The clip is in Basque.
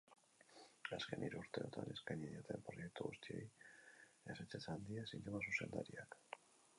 Azken hiru urteotan eskaini dioten proiektu guztiei ezetz esan die zinema-zuzendariak.